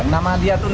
nama dia itu enam